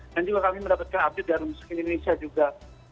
dan juga kami mendapatkan update dari rumah sakit indonesia juga